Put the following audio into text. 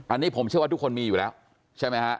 อันนี้ผมเชื่อว่าทุกคนมีอยู่แล้วใช่ไหมฮะ